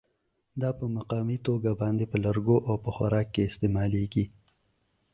It has some local use for wood and food.